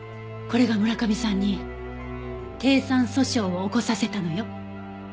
これが村上さんに低酸素症を起こさせたのよ。